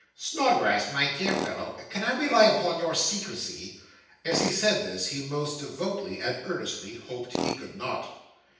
'Snodgrass, my dear fellow, can I rely upon your secrecy?' As he said this, he most devoutly and earnestly hoped he could not.